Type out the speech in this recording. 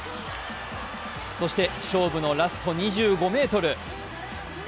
そして勝負のラスト２５ｍ。